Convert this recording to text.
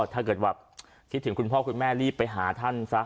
ถ้าเกิดแบบคิดถึงคุณพ่อคุณแม่รีบไปหาท่านซะ